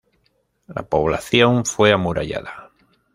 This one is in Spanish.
La población fue amurallada.